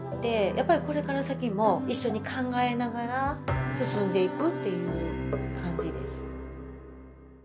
やっぱりこれから先も、一緒に考えながら進んでいくという感じです。